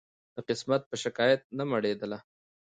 د قسمت په شکایت نه مړېدله